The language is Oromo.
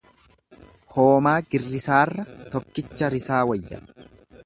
Hoomaa girrisaarra tokkicha risaa wayya.